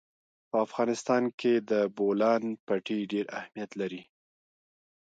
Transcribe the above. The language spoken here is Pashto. په افغانستان کې د بولان پټي ډېر اهمیت لري.